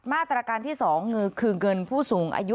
มาตรการที่๒คือเงินผู้สูงอายุ